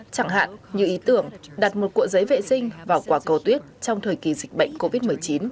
chẳng hạn như ý tưởng đặt một cua giấy vệ sinh vào quả cầu tuyết trong thời kỳ dịch bệnh covid một mươi chín